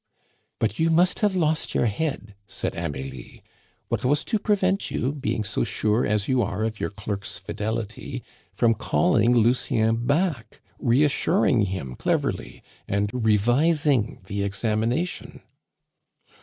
"But you must have lost your head!" said Amelie. "What was to prevent you, being so sure as you are of your clerk's fidelity, from calling Lucien back, reassuring him cleverly, and revising the examination?"